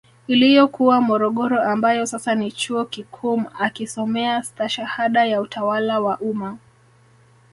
Iliyokuwa morogoro ambayo sasa ni chuo kikuum akisomea stashahada ya utawala wa umma